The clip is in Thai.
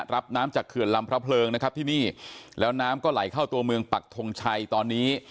รับน้ำจากเขื่อนลำพระเพลิงนะครับที่นี่แล้วน้ำก็ไหลเข้าตัวเมืองปักทงชัยตอนนี้